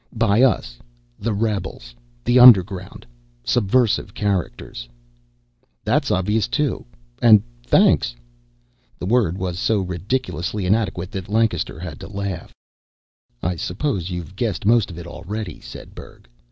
"By us. The rebels. The underground. Subversive characters." "That's obvious too. And thanks " The word was so ridiculously inadequate that Lancaster had to laugh. "I suppose you've guessed most of it already," said Berg.